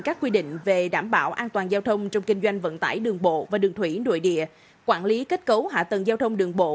các quy định về đảm bảo an toàn giao thông trong kinh doanh vận tải đường bộ và đường thủy nội địa quản lý kết cấu hạ tầng giao thông đường bộ